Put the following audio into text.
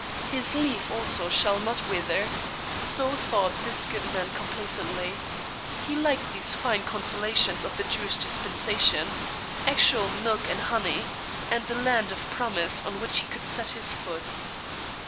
His leaf also shall not wither. So thought this good man complacently. He liked these fine consolations of the Jewish dispensation actual milk and honey, and a land of promise on which he could set his foot.